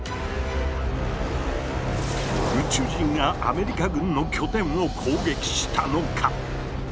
宇宙人がアメリカ軍の拠点を攻撃したのか？